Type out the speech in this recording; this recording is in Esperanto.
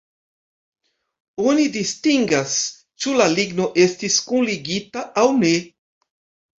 Oni distingas, ĉu la ligno estis kunligita aŭ ne.